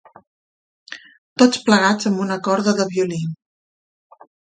Tots plegats amb una corda de violí.